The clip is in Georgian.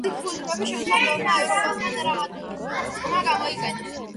მისი თხზულებები შემდგომ ბევრმა ევროპელმა დრამატურგმა გამოიყენა.